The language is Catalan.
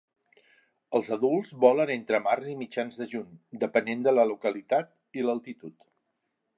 Els adults volen entre març i mitjans de juny, depenent de la localitat i l'altitud.